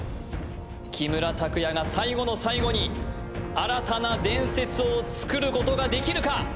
木村拓哉が最後の最後に新たな伝説をつくることができるか！？